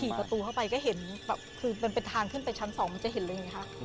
ประตูเข้าไปก็เห็นแบบคือมันเป็นทางขึ้นไปชั้นสองมันจะเห็นเลยไงคะ